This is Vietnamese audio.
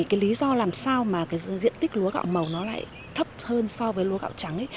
vì lý do làm sao diện tích lúa gạo màu lại thấp hơn so với lúa gạo trắng